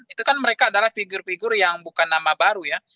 itu kan mereka adalah figur figur yang bukan nama baru ya